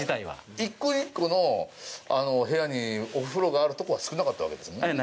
でも、１戸１戸の部屋にお風呂があるところは少なかったわけですもんね？